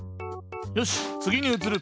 よしつぎにうつる。